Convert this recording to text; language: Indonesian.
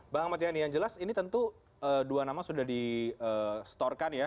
bang amat yani yang jelas ini tentu dua nama sudah di store kan ya